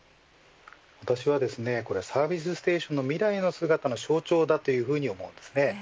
私はサービスステーションの未来の姿の象徴だというふうに思います。